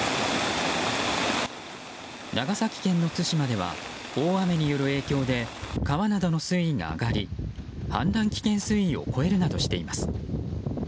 長崎県の対馬では大雨による影響で川などの水位が上がり氾濫危険水位を超えるなどしています。